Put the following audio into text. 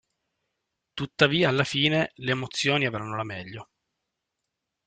Tuttavia alla fine le emozioni avranno la meglio.